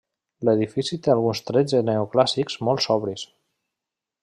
L'edifici té alguns trets neoclàssics molt sobris.